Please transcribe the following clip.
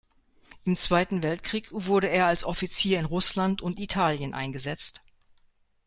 Im Zweiten Weltkrieg wurde er als Offizier in Russland und Italien eingesetzt.